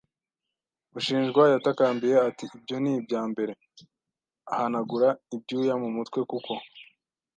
Ushinjwa yatakambiye ati: "Ibyo ni ibya mbere", ahanagura ibyuya mu mutwe, kuko